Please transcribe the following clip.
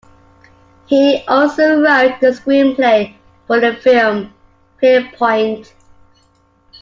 He also wrote the screenplay for the film "Pierrepoint".